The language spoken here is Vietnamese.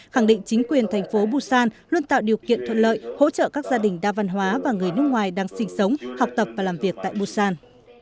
khẳng định chính quyền thành phố busan luôn tạo điều kiện thuận lợi hỗ trợ các gia đình đa văn hóa và người nước ngoài đang sinh sống học tập và làm việc tại busan